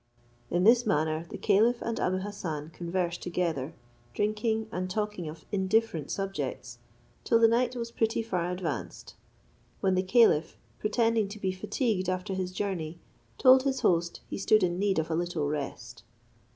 In this manner the caliph and Abou Hassan conversed together, drinking and talking of indifferent subjects, till the night was pretty far advanced; when the caliph, pretending to be fatigued after his journey, told his host he stood in need of a little rest.